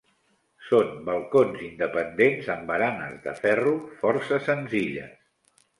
Són balcons independents amb baranes de ferro força senzilles.